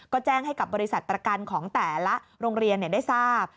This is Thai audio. ก็แจ้งให้กับบริษัทประกันของแต่ละโรงเรียนได้ทราบ